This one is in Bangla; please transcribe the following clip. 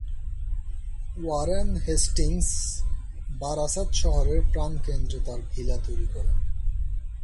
ওয়ারেন হেস্টিংস বারাসাত শহরের প্রাণকেন্দ্রে তাঁর ভিলা তৈরি করেন।